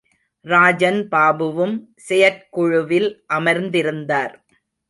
ராஜன் பாபுவும் செயற்குழுவில் அமர்ந்திருந்தார்.